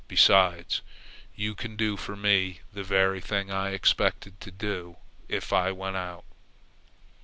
Besides, you can do for me the very thing I expected to do if I went out."